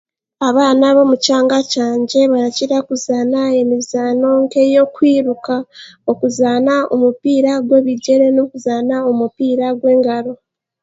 Abaana b'omu kyanga kyangye barakira kuzaana emizaano nk'ey'okwiruka, okuzaana omupiira gw'ebigyere n'okuzaana omupiira gw'engaro.